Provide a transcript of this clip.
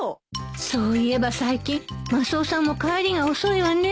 そういえば最近マスオさんも帰りが遅いわね